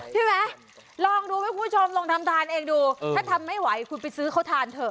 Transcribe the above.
ใช่ไหมลองดูไหมคุณผู้ชมลองทำทานเองดูถ้าทำไม่ไหวคุณไปซื้อเขาทานเถอะ